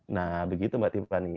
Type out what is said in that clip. nah begitu mbak tipa nih